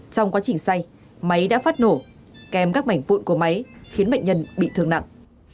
trong quá trình say máy đã phát nổ kèm các mảnh vụn của máy khiến bệnh nhân bị thương nặng